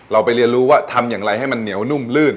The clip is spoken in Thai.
ไปเรียนรู้ว่าทำอย่างไรให้มันเหนียวนุ่มลื่น